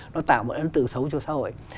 nó tạo một ấn tượng xấu cho xã hội